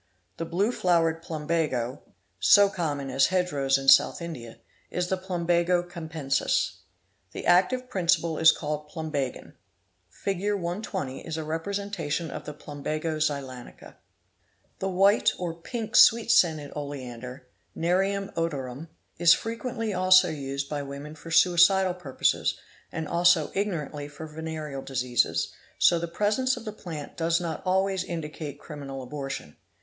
The' blue flowered plumbago, so common as hedge rows in South India, is the Plumbago capensis. The active principle is called Plumbagin. Fig. 120 — is a representation of the Plumbago zeylanica. The white or pink sweet scented oleander, Neriwm odorum Utioe: Hind.; Alari, Tam.) is frequently also used by women for suicidal purposes — and*also ignorantly for venereal diseases, so the presence of the plant does not always indicate criminal abortion.